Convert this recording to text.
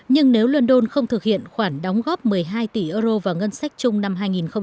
nhưng nếu london không thực hiện khoản đóng góp một mươi hai tỷ euro vào ngân sách chung năm hai nghìn hai mươi